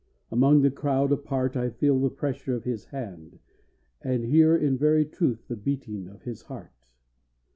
Among the crowd, apart, I feel the pressure of his hand, and hear In very truth the beating of his heart.